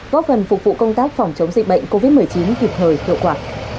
góp phần phục vụ công tác phòng chống dịch bệnh covid một mươi chín kịp thời hiệu quả